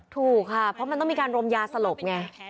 ถูกค่ะเพราะมันต้องมีการรมยาสลบไง